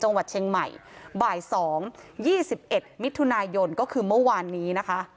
จังหวัดเชียงใหม่บ่ายสองยี่สิบเอ็ดมิถุนายนก็คือเมื่อวานนี้นะคะ